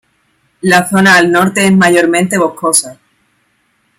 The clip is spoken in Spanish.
La zona al norte es mayormente boscosa.